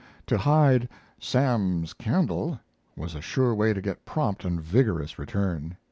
To hide "Sam's candle" was a sure way to get prompt and vigorous return.